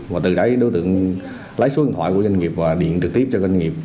và từ đấy đối tượng lấy số điện thoại của doanh nghiệp và điện trực tiếp cho doanh nghiệp